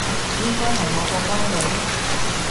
應該係我個乖女